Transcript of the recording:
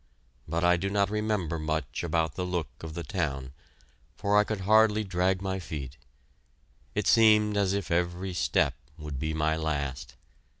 But I do not remember much about the look of the town, for I could hardly drag my feet. It seemed as if every step would be my last.